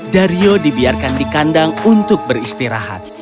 dario dibiarkan di kandang untuk beristirahat